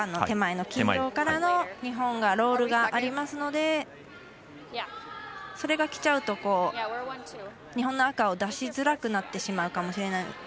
手前の黄色からの日本がロールがありますのでそれがきちゃうと、日本の赤を出しづらくなってしまうかもしれない。